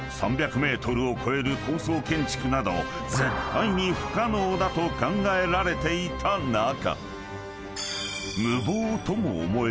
［３００ｍを超える高層建築など絶対に不可能だと考えられていた中］